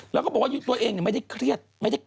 แล้วก็บอกว่าตัวเองไม่ได้เครียด